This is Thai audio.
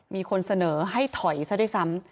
มีคนเสนอให้ถอยซะด้วยซ้ำ